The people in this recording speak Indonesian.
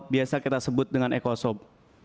biasa kita sebut dengan ekosop